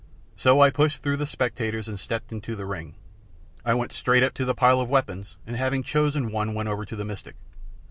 So I pushed through the spectators and stepped into the ring. I went straight up to the pile of weapons, and having chosen one went over to the mystic.